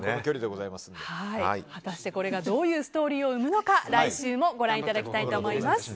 果たしてこれがどういうストーリーを生むのか来週もご覧いただきたいと思います。